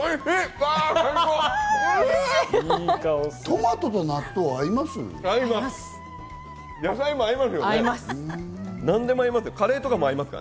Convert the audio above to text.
トマトと納豆、合います？合います。